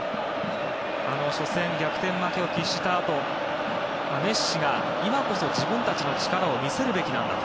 初戦、逆転負けを喫したあとメッシが、今こそ自分たちの力を見せるべきなんだと。